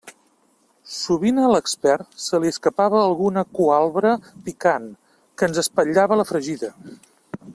Sovint a l'expert se li escapava alguna cualbra picant que ens espatllava la fregida.